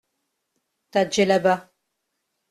Ta djellaba.